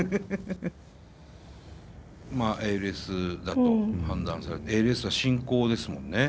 まあＡＬＳだと判断されてＡＬＳは進行ですもんね？